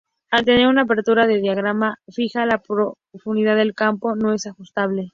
Al tener una apertura de diafragma fija, la profundidad de campo no es ajustable.